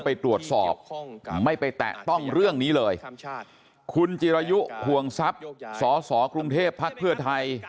ไปตรวจสอบไม่ไปแตะต้องเรื่องนี้เลยคุณจิรายุห่วงทรัพย์สสกรุงเทพภักดิ์เพื่อไทย